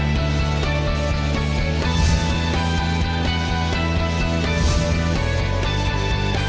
อบบอยด์ไทยเซ็น